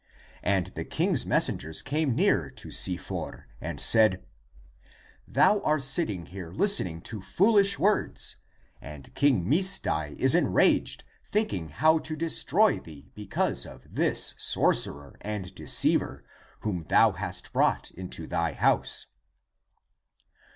And the king's messengers came 308 THE APOCRYPHAL ACTS near to Si for and said, " Thou are sitting here Hs tening to foohsh words, and King Misdai is enraged thinking how to destroy thee because of this sorcerer and deceiver, whom thou hast brought into thy house!"